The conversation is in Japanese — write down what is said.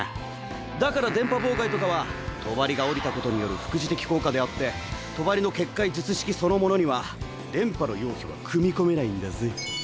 だから電波妨害とかは帳が下りたことによる副次的効果であって帳の結界術式そのものには電波の要否は組み込めないんだぜ。